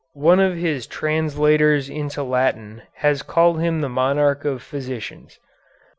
One of his translators into Latin has called him the monarch of physicians.